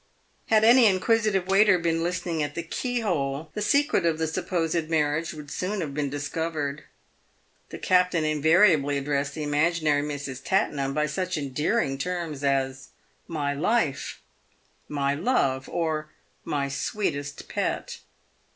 Had any inquisitive waiter been listening at the keyhole, the secret of the supposed marriage would soon have been discovered. The captain invariably addressed the imaginary Mrs. Tattenham by such endearing terms as "my life," "my love," or " my sweetest pet."